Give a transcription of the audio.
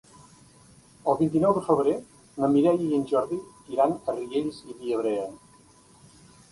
El vint-i-nou de febrer na Mireia i en Jordi iran a Riells i Viabrea.